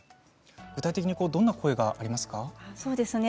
具体的にどんな声がありますか。